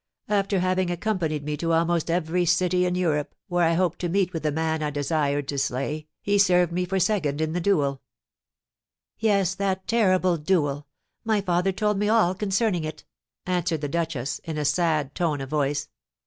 After having accompanied me to almost every city in Europe, where I hoped to meet with the man I desired to slay, he served me for second in the duel " "Yes, that terrible duel; my father told me all concerning it!" answered the duchess, in a sad tone of voice.